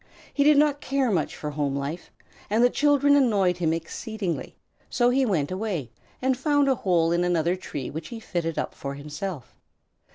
He did not care much for home life, and the children annoyed him exceedingly, so he went away and found a hole in another tree which he fitted up for himself.